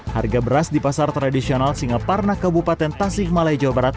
harga beras di pasar tradisional singaparna kabupaten tasik malaya jawa barat